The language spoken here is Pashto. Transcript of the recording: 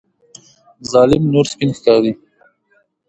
ظالم نور سپین ښکاري.